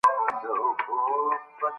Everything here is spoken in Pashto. هغه د خپلو تېروتنو په اړه رښتيا ويلي دي.